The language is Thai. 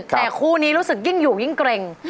แต่คู่นี้รู้สึกยิ่งอยู่ยิ่งเกร็ง